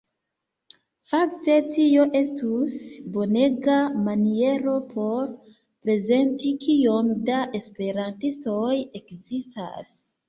Fakte tio estus bonega maniero por prezenti kiom da esperantistoj ekzistas.